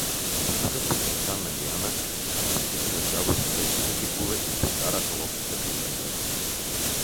Като чуха песента на Лиана, момците нададоха весели викове и подкараха лодката към брега.